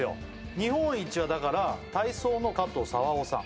日本一はだから体操の加藤澤男さん